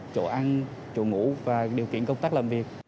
chỗ ăn chỗ ngủ và điều kiện công tác làm việc